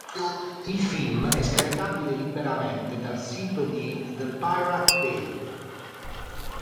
Il film è scaricabile liberamente dal sito di "The Pirate Bay".